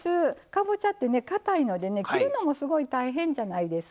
かぼちゃってかたいので切るのもすごい大変じゃないですか。